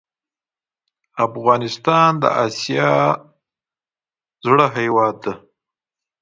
افغانستان د اسیا زړه هیواد ده